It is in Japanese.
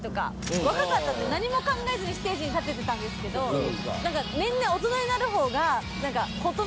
若かったんで何も考えずにステージに立ててたんですけど何か年々大人になるほうが。